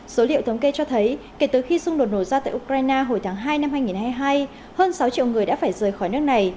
số liệu thống kê cho thấy kể từ khi xung đột nổ ra tại ukraine hồi tháng hai năm hai nghìn hai mươi hai hơn sáu triệu người đã phải rời khỏi nước này